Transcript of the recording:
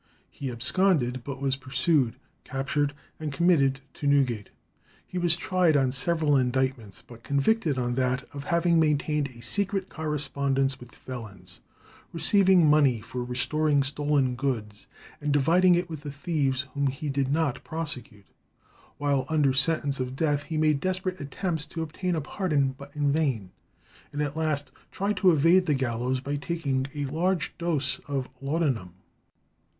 He absconded, but was pursued, captured, and committed to Newgate. He was tried on several indictments, but convicted on that of having maintained a secret correspondence with felons, receiving money for restoring stolen goods, and dividing it with the thieves whom he did not prosecute. While under sentence of death he made desperate attempts to obtain a pardon, but in vain, and at last tried to evade the gallows by taking a large dose of laudanum.